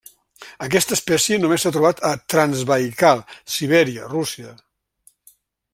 Aquesta espècie només s'ha trobat a Transbaikal, Sibèria, Rússia.